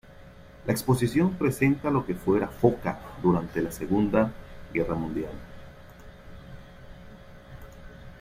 La exposición presenta lo que fuera Foča durante la Segunda Guerra Mundial.